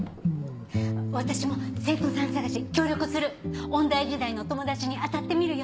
・私も生徒さん探し協力する音大時代の友達に当たってみるよ。